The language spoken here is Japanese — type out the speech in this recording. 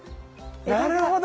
なるほど。